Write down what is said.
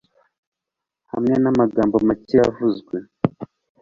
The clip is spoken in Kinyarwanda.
hamwe n'amagambo make yavuzwe